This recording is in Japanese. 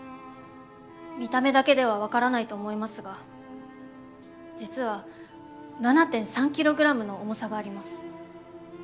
見た目だけでは分からないと思いますが実は７．３キログラムの重さがあります。